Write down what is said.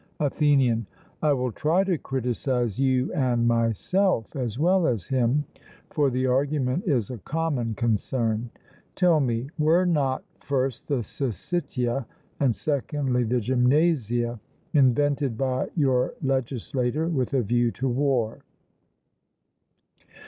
ATHENIAN: I will try to criticize you and myself, as well as him, for the argument is a common concern. Tell me, were not first the syssitia, and secondly the gymnasia, invented by your legislator with a view to war?